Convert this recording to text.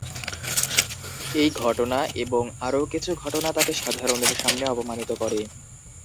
এই ঘটনা এবং আরও কিছু ঘটনা তাঁকে সাধারণের সামনে অপমানিত করে।